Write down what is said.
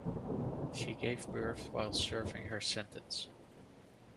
She gave birth while serving her sentence.